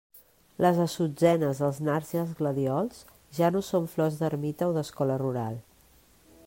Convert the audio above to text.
Les assutzenes, els nards i els gladiols ja no són flors d'ermita o d'escola rural.